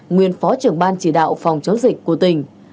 nguyên phó trưởng ban chỉ đạo phòng chống dịch của tỉnh